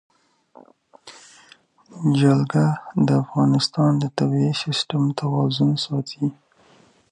جلګه د افغانستان د طبعي سیسټم توازن ساتي.